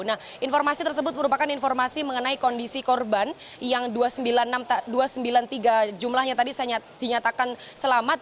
nah informasi tersebut merupakan informasi mengenai kondisi korban yang dua ratus sembilan puluh tiga jumlahnya tadi dinyatakan selamat